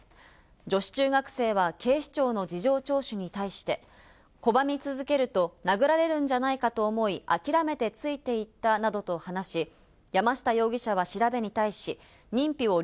女子中学生は警視庁の事情聴取に対して、拒み続けると殴られるんじゃないかと思い、諦めてついて行ったな関東のお天気です。